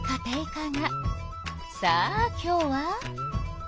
さあ今日は。